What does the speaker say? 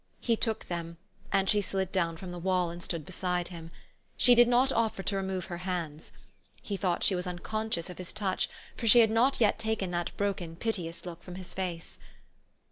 He took them, and she slid down from the wall, and stood beside him. She did not offer to remove her hands. He thought she was unconscious of his touch, for she had not yet taken that broken, piteous look from his face.